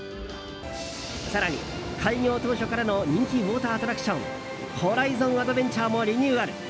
更に、開業当初からの人気ウォーターアトラクションホライゾンアドベンチャーもリニューアル。